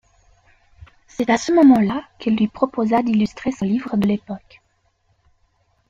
C'est à ce moment-là qu'elle lui proposa d'illustrer son livre de l'époque.